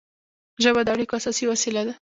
ژبه د اړیکو اساسي وسیله ده.